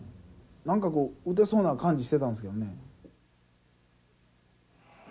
何かこう打てそうな感じしてたんですけどね。